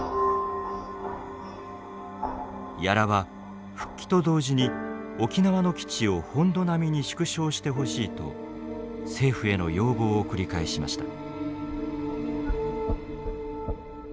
屋良は復帰と同時に沖縄の基地を「本土並み」に縮小してほしいと政府への要望を繰り返しました。